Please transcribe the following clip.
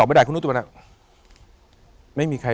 อากาศที่บริ